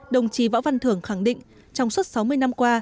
đồng chí võ văn thưởng khẳng định trong suốt sáu mươi năm qua